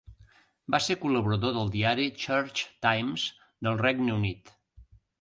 Va ser col·laborador del diari "Church Times" del Regne Unit.